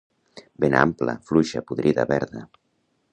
Vena ampla, fluixa, podrida, verda.